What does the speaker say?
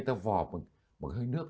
ta vò một hơi nước